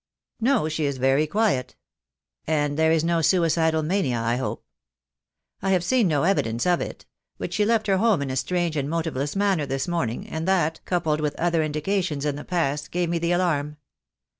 "No, she is very quiet." "And there is no suicidal mania, I hope?" "I have seen no evidence of it; but she left her home in a strange and motiveless manner this morning, and that, coupled with other indications in the past, gave me the alarm."